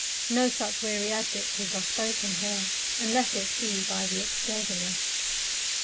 No such weary adjectives are spoken here, unless it be by the excursionists.